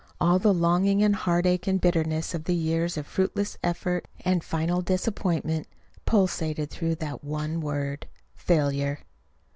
All the longing and heartache and bitterness of years of fruitless effort and final disappointment pulsated through that one word FAILURE.